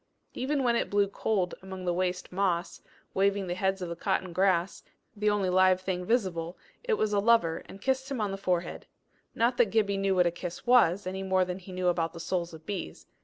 Even when it blew cold along the waste moss, waving the heads of the cotton grass, the only live thing visible, it was a lover, and kissed him on the forehead. Not that Gibbie knew what a kiss was, any more than he knew about the souls of bees.